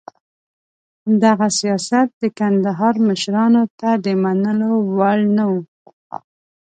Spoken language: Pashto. دغه سیاست د کندهار مشرانو ته د منلو وړ نه و.